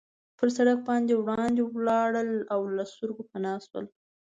پر سړک باندې وړاندې ولاړل او له سترګو پناه شول.